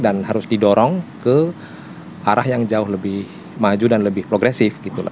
dan harus didorong ke arah yang jauh lebih maju dan lebih progresif